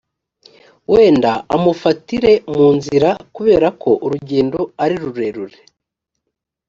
wenda amufatire mu nzira kubera ko urugendo ari rurerure,